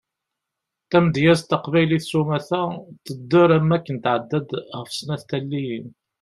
Tamedyazt taqbaylit sumata tedder am waken tɛedda-d ɣef snat n taliyin.